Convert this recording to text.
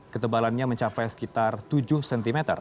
ketebalannya mencapai sekitar tujuh cm